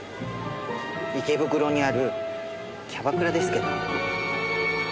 池袋にあるキャバクラですけど。